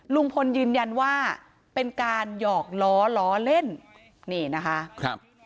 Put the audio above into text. ลุงพลยืนยันว่าเป็นการหยอกล้อล้อเล่นนี่นะคะครับ